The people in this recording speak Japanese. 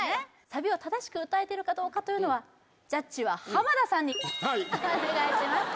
サビを正しく歌えているかどうかというのはジャッジは浜田さんにお願いします